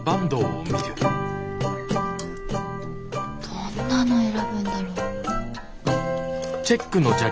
どんなの選ぶんだろ？